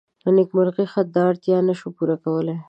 نیمګړی خط دا اړتیا نه شو پوره کولی.